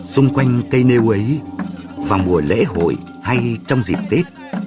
xung quanh cây nêu ấy vào mùa lễ hội hay trong dịp tết